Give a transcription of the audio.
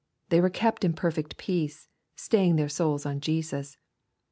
They were kept in perfect peace, staying their souls on Jesus.